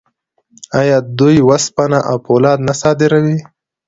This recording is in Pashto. آیا دوی وسپنه او فولاد نه صادروي؟